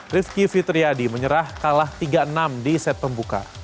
rifki fitriadi menyerah kalah tiga enam di set pembuka